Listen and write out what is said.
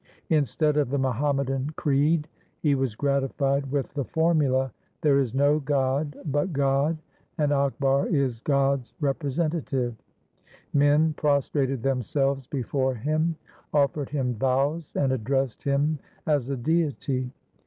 Instead of the Muhammadan creed he was gratified with the formula, ' There is no God but God, and Akbar is God's representative.' Men prostrated themselves before him, offered him vows, and addressed him as a deity.